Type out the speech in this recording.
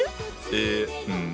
えうん。